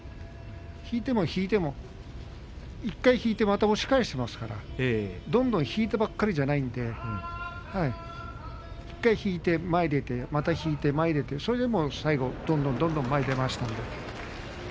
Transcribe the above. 引いても引いても１回引いてもまた押し返していますから引いてばかりじゃないのでいったん引いて前に出てまた引いて前に出てそれでも最後どんどん前に出ました。